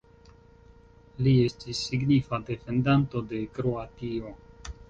Li estis signifa defendanto de Kroatio.